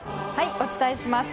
お伝えします。